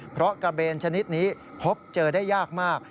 เพราะกระเบนชนิดนี้พบเจอได้ยากมาก